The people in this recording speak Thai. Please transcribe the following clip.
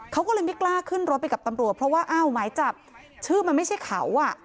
เขาก็เลยไม่กล้าขึ้นรถไปกับตำรวจเพราะว่าอ้าวหมายจับชื่อมันไม่ใช่เขาอ่ะ